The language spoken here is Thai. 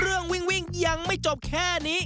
เรื่องวิ่งยังไม่จบแค่นี้